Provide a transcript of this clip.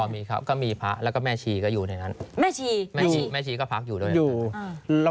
อ๋อมีครับก็มีพระแล้วก็แม่ชีก็อยู่ในนั้นแม่ชีก็พักอยู่ด้วยครับ